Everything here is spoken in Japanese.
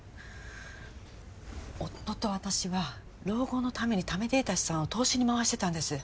夫と私は老後のためにためていた資産を投資に回してたんです